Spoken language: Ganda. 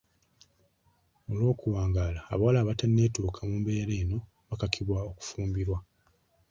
Olw'okuwangaala, abawala abatanneetuuka mu mbeera eno bakakibwa okufumbirwa.